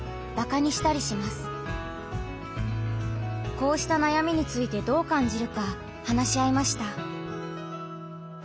こうした悩みについてどう感じるか話し合いました。